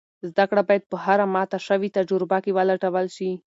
زده کړه باید په هره ماته شوې تجربه کې ولټول شي.